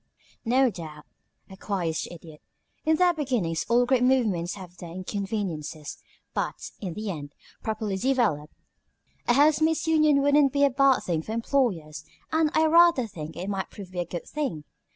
"No doubt," acquiesced the Idiot. "In their beginnings all great movements have their inconveniences, but in the end, properly developed, a housemaid's union wouldn't be a bad thing for employers, and I rather think it might prove a good thing.